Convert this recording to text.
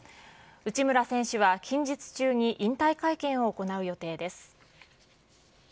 内村選手は近日中に引退会見を行う予定です。